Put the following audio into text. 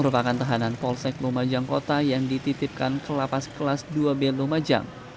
di pantangan polsek lumajang kota yang dititipkan kelapas kelas dua b lumajang